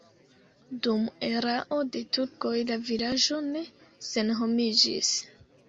Dum erao de turkoj la vilaĝo ne senhomiĝis.